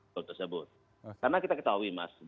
karena kita ketahui mas